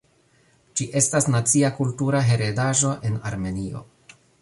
Ĝi estas nacia kultura heredaĵo en Armenio.